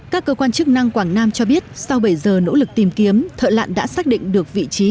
các cơ quan chức năng quảng nam cho biết sau bảy giờ nỗ lực tìm kiếm thợ lặn đã xác định được vị trí